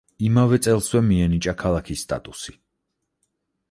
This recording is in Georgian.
იმავე წელსვე მიენიჭა ქალაქის სტატუსი.